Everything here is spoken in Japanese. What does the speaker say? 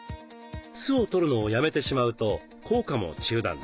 酢をとるのをやめてしまうと効果も中断。